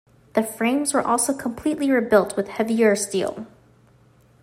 The frames were also completely rebuilt with heavier steel.